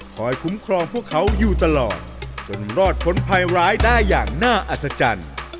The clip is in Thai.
คุ้มครองพวกเขาอยู่ตลอดจนรอดพ้นภัยร้ายได้อย่างน่าอัศจรรย์